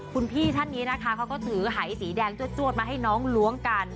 คุณพี่ท่านนี้นะคะเขาก็ถือหายสีแดงจวดมาให้น้องล้วงกัน